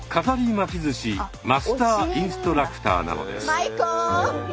巻き寿司マスターインストラクターなのです。